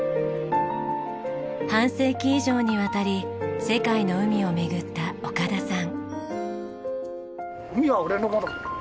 半世紀以上にわたり世界の海を巡った岡田さん。